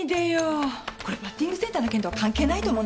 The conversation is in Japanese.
これバッティングセンターの件とは関係ないと思うんだけど？